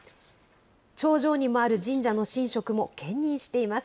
頂上にもある神社の神職も兼任しています。